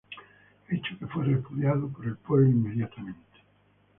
Hecho que fue repudiado por el pueblo inmediatamente.